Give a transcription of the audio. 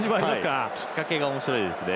きっかけがおもしろいですね。